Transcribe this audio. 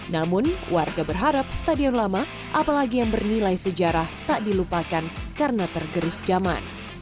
namun warga berharap stadion lama apalagi yang bernilai sejarah tak dilupakan karena tergerus zaman